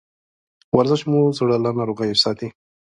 ورزش مو د زړه له ناروغیو ساتي.